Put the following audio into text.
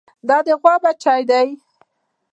د غوا بچۍ